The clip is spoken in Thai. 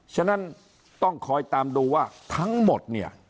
ฉะนั้นต้องคอยตามดูว่าทั้งหมดเนี่ย